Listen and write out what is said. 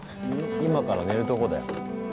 今から寝るとこだよ。